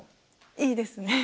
いいですね。